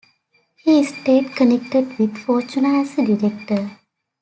He stayed connected with Fortuna as a director.